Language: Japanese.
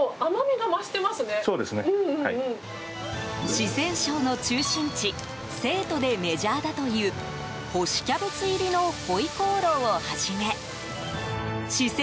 四川省の中心地・成都でメジャーだという干しキャベツ入りの回鍋肉をはじめ四川